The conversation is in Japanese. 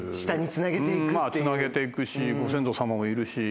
つなげて行くしご先祖様もいるし。